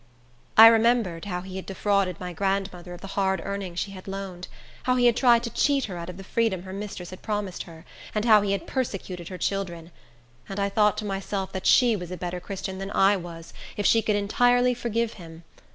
I remembered how he had defrauded my grandmother of the hard earnings she had loaned; how he had tried to cheat her out of the freedom her mistress had promised her, and how he had persecuted her children; and I thought to myself that she was a better Christian than I was, if she could entirely forgive him.